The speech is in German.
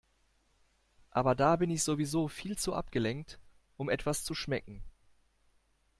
Aber da bin ich sowieso viel zu abgelenkt, um etwas zu schmecken.